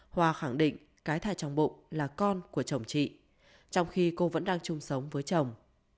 hòa khẳng định cái thai trong bụng là con của chồng chị trong khi cô vẫn đang chung sống với chồng